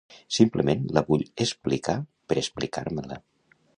Simplement la vull explicar per explicar-me-la.